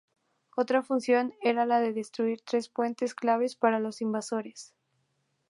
Otra función era la de destruir tres puentes claves para los invasores.